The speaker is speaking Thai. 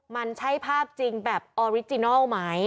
มันใช่ภาพจริงแบบออริจินัลไหม